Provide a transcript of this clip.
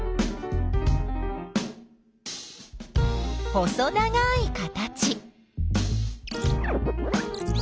細長い形。